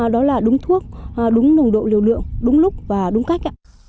đó là đúng thuốc đúng nồng độ liều lượng đúng lúc và đúng cách ạ